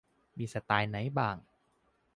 มีสไตล์ไหนบ้าง